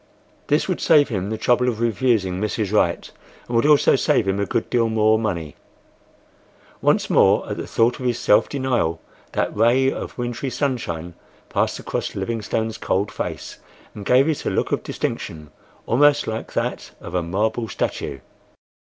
This would save him the trouble of refusing Mrs. Wright and would also save him a good deal more money. Once more, at the thought of his self denial, that ray of wintry sunshine passed across Livingstone's cold face and gave it a look of distinction—almost like that of a marble statue.